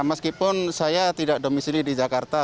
meskipun saya tidak domisili di jakarta